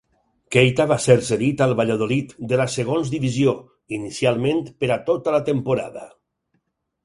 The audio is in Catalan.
Keita va ser cedit al Valladolid de la segons divisió, inicialment per a tota la temporada.